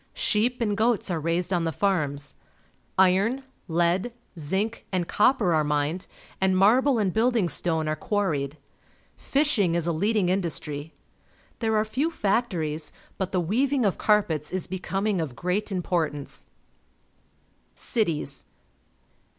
Sheep and goats are raised on the farms. Iron, lead, zinc, and copper are mined, and marble and building stone are quarried. Fisliing is a leading industry. There are few factories, but the weaving of carpets is becoming of great importance. Cities.